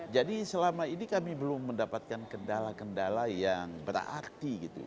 jadi selama ini kami belum mendapatkan kendala kendala yang berarti gitu